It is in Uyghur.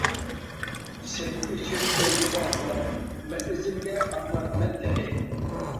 سۆيگۈ ئۈچۈن ئۆلدى بەزىلەر، مەن ئۆزۈمگە ئامراقمەن تېخى.